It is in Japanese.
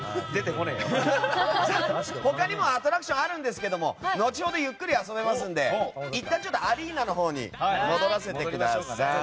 他にもアトラクションはあるんですが後ほどゆっくり遊べますのでいったん、アリーナのほうに戻らせてください。